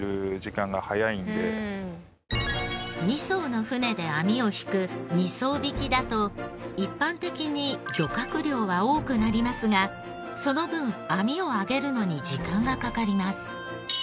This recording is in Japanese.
２艘の船で網を曳く二艘曳きだと一般的に漁獲量は多くなりますがその分網を揚げるのに時間がかかります。